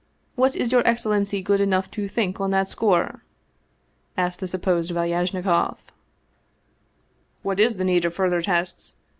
What is your excellency good enough to think on that score ?" asked the supposed Valyajnikoff. " What is the need of further tests